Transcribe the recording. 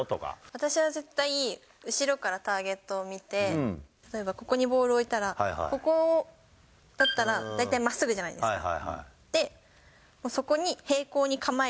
私は絶対、後ろからターゲットを見て、例えばここにボールを置いたら、ここだったら、大体まっすぐじゃないですか。